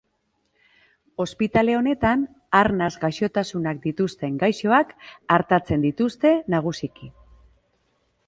Ospitale honetan arnas gaixotasunak dituzten gaixoak artatzen dituzte nagusiki.